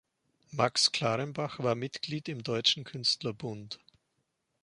Max Clarenbach war Mitglied im Deutschen Künstlerbund.